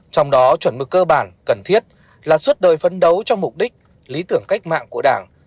trong đó chuẩn mực cơ bản cần thiết là suốt đời phấn đấu cho mục đích lý tưởng cách mạng của đảng